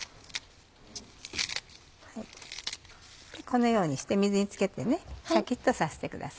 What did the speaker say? このようにして水に漬けてシャキっとさせてください。